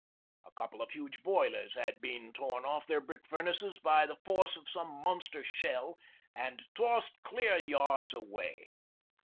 A couple of huge boilers had been torn off their brick furnaces by the force of some monster shell and tossed clear yards away.